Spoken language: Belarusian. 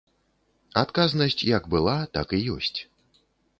Адказнасць як была, так і ёсць.